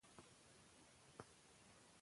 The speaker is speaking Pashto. کارکوونکي د همغږۍ له لارې پرمختګ کوي